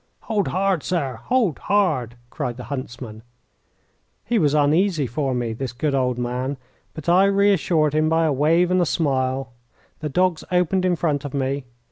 "Hold hard, sir! Hold hard!" cried the huntsman. He was uneasy for me, this good old man, but I reassured him by a wave and a smile. The dogs opened in front of me.